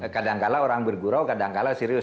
kadang kadang orang bergurau kadang kadang serius